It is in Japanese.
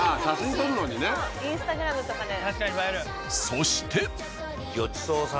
そして。